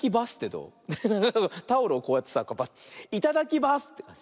タオルをこうやってさ「いただきバス」ってかんじ。